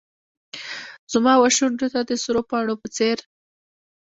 زما وشونډو ته د سرو پاڼو په څیر